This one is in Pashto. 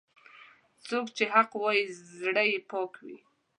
څوک چې حق وايي، زړه یې پاک وي.